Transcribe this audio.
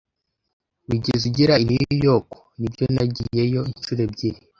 "Wigeze ugera i New York?" "Nibyo, nagiyeyo inshuro ebyiri."